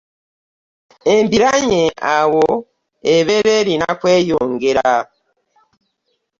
Embiranye awo ebeera erina kweyongera.